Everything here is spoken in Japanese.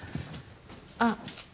あっ。